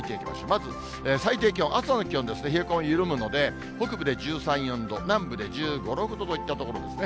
まず、最低気温、朝の気温ですね、冷え込み緩むので、北部で１３、４度、南部で１５、６度といったところですね。